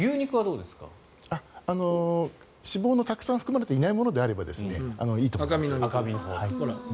脂肪のたくさん含まれていないものであればいいと思います。